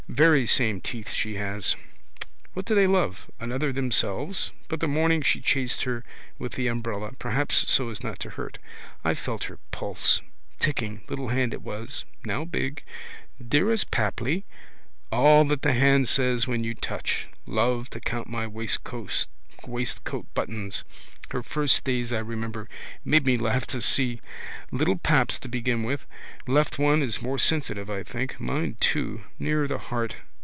Very same teeth she has. What do they love? Another themselves? But the morning she chased her with the umbrella. Perhaps so as not to hurt. I felt her pulse. Ticking. Little hand it was: now big. Dearest Papli. All that the hand says when you touch. Loved to count my waistcoat buttons. Her first stays I remember. Made me laugh to see. Little paps to begin with. Left one is more sensitive, I think. Mine too. Nearer the heart?